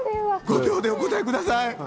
５秒でお答えください。